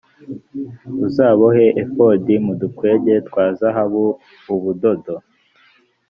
uzabohe efodi mu dukwege twa zahabu ubudodo